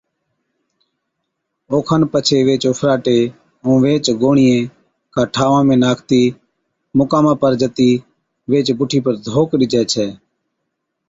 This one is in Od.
اوکن پچي ويھِچ اُڦراٽي ائُون ويھِچ گوڻِيئَين ڪا ٺاھوان ۾ ناکتِي مقاما پر جتِي ويھِچ بُٺِي پر ڌوڪ ڏِجَي ڇَي